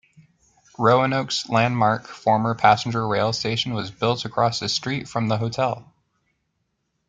Roanoke's landmark former passenger rail station was built across the street from the hotel.